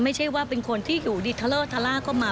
ไม่ใช่ว่าเป็นคนที่อยู่ดีเทลเลอร์ทะล่าก็มา